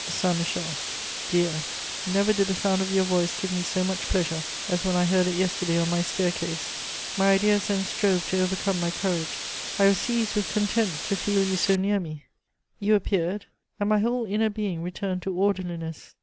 "SAINT MICHEL. "Dear, never did the sound of your voice give me so much pleasure as when I heard it yesterday on my staircase. My ideas then strove to overcome my courage. I was seized with content to feel you so near me; you appeared, and my whole inner being returned to orderliness.